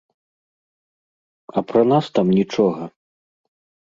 А пра нас там нічога.